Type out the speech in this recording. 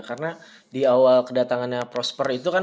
karena di awal kedatangannya prosper itu kan